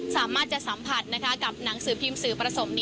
สามารถจะสัมผัสกับหนังสือพิมพ์สื่อประสงค์นี้